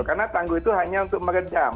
karena tangguh itu hanya untuk meredam